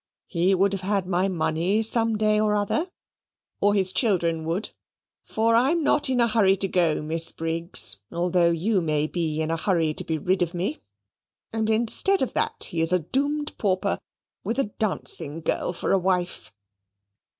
He would have had my money some day or other; or his children would for I'm not in a hurry to go, Miss Briggs, although you may be in a hurry to be rid of me; and instead of that, he is a doomed pauper, with a dancing girl for a wife."